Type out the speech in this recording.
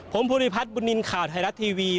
ผมภูริพัฒน์บุญนินทร์ข่าวไทยรัฐทีวี